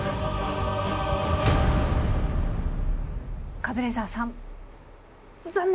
カズレーザーさん残念！